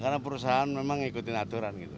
karena perusahaan memang ngikutin aturan gitu